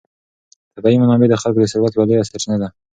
طبیعي منابع د خلکو د ثروت یوه لویه سرچینه ده.